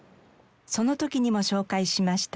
その時にも紹介しました